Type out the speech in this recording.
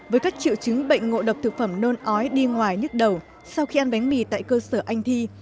với các triệu chứng bệnh ngộ độc thực phẩm nôn ói đi ngoài nhức đầu sau khi ăn bánh mì tại cơ sở anh thi